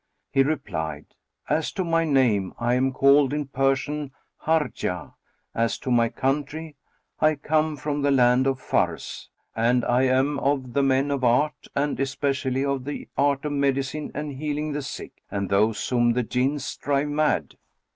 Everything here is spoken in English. He replied, "As to my name I am called in Persian Harjah;[FN#26] as to my country I come from the land of Fars; and I am of the men of art and especially of the art of medicine and healing the sick and those whom the Jinns drive mad.